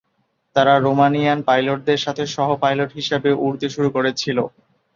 তারা রোমানিয়ান পাইলটদের সাথে সহ-পাইলট হিসাবে উড়তে শুরু করেছিল।